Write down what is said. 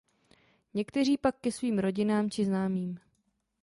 Někteří pak ke svým rodinám či známým.